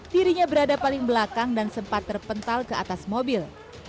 dirinya berada paling belakang dan sempat terpental ke atas mobil